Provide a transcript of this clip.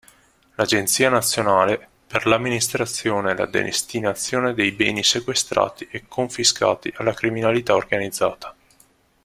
Agenzia Nazionale per l'Amministrazione e la Destinazione dei Beni Sequestrati e Confiscati alla Criminalità Organizzata.